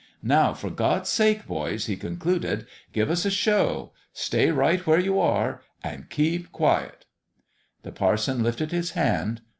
Now, for God's sake, boys," he concluded, " give us a show ! Stay right where you are and keep quiet" The parson lifted his hand.